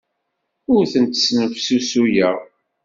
Ur tent-snefsusuyeɣ.